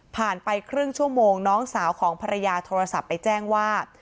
ไปครึ่งชั่วโมงน้องสาวของภรรยาโทรศัพท์ไปแจ้งว่า